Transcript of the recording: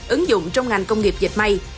ứng dụng trong ngành công nghiệp dịch may